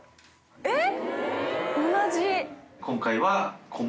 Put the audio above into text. えっ？